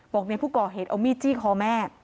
บอกเนี่ยผู้ก่อเหตุเอามีจี้คอแม่